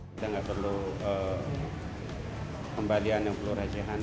kita gak perlu kembalian yang perlu rejahan